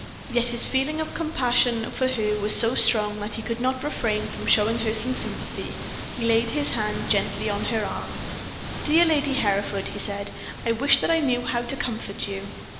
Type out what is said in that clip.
Yet his feeling of compassion for her was so strong that he could not refrain from showing her some sympathy. He laid his hand gently on her arm. "Dear Lady Hereford," he said, "I wish that I knew how to comfort you."